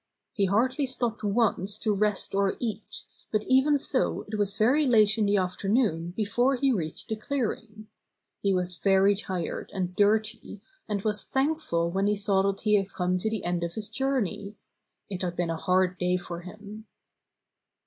He hardly stopped once to rest or eat, but even so it was very late in the afternoon before he reached the clearing. He was very tired and dirty, and was thankful when he saw that he had come to the end of his journey. It had been a hard day for him.